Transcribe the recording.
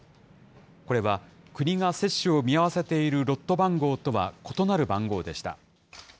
これは国が接種を見合わせているロット番号とは異なる番号でした。